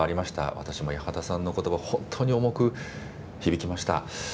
私も八幡さんのことば、本当に重く響きました。